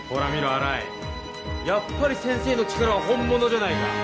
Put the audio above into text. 新井やっぱり先生の力は本物じゃないか。